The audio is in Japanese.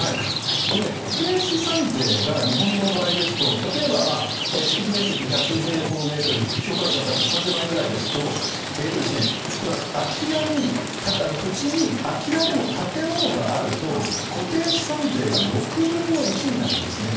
固定資産税が日本の場合ですと例えば敷地面積１００平方メートル評価額が３０００万円くらいですと土地に、空き家でも建物があると固定資産税が６分の１になるんですね。